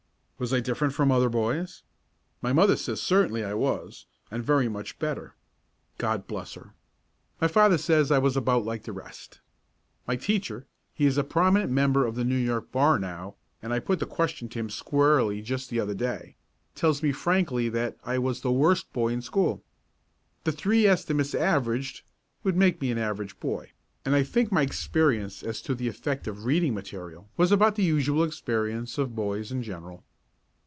Was I different from other boys? My mother says certainly I was, and very much better. God bless her! My father says I was about like the rest. My teacher he is a prominent member of the New York bar now, and I put the question to him squarely just the other day tells me frankly that I was the worst boy in school. The three estimates, averaged, would make me an average boy, and I think my experience as to the effect of reading material was about the usual experience of boys in general.